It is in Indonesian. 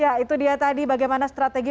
ya itu dia tadi bagaimana strategi